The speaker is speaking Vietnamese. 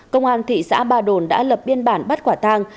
công an thị xã ba đồn đã lập biên bản bắt quả tang